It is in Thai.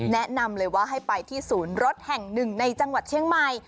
แนะนำเลยว่าให้ไปที่ศูนย์รถแห่งหนึ่งในจังหวัดเชียงใหม่